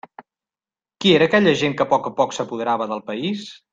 Qui era aquella gent que a poc a poc s'apoderava del país?